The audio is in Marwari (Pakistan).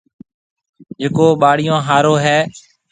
جڪو ٻاݪيون هارون هيَ۔